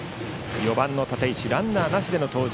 ４番、立石ランナーなしでの登場。